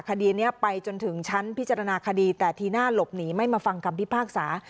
คดีนี้ไปจนถึงชั้นพิจารณาคดีแต่ทีหน้าหลบหนีไม่มาฟังคำพิพากษา